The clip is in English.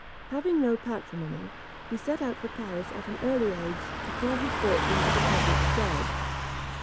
Having no patrimony, he set out for Paris at an early age, to try his fortune as a public scribe.